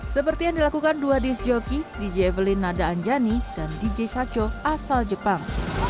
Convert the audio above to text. seperti yang dilakukan dua dis joki dj evelyn nada anjani dan dj saco asal jepang